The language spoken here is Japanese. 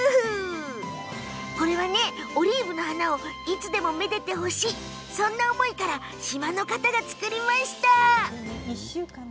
オリーブの花をいつでもめでてほしいそんな思いから島の方が作りました。